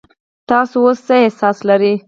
تاسو اوس څه احساس لرئ؟